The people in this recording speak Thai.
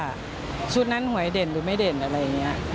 ชุดนั้นหวยเด่นหรือไม่เด่นอะไรอย่างนี้